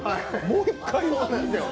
もう１回。